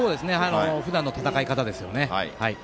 ふだんの戦い方ですよね。